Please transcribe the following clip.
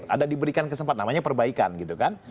ada diberikan kesempatan namanya perbaikan gitu kan